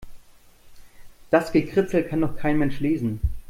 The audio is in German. Das Gekritzel kann doch kein Mensch lesen.